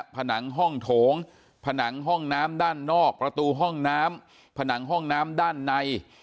ผนังห้องโถงผนังห้องน้ำด้านนอกประตูห้องน้ำผนังห้องน้ำด้านใน